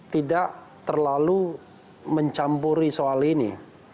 tidak terlalu mencampuri soal ini